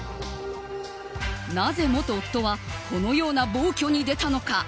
なぜ元夫はこのような暴挙に出たのか。